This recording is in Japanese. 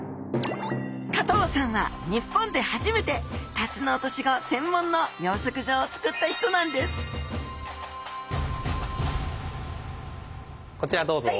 加藤さんは日本で初めてタツノオトシゴ専門の養殖場を作った人なんですこちらどうぞ。